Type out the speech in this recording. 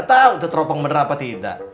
tahu itu teropong bener apa tidak